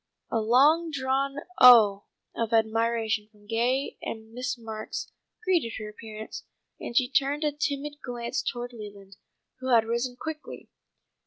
A long drawn "oh!" of admiration from Gay and Miss Marks greeted her appearance, and she turned a timid glance towards Leland, who had risen quickly.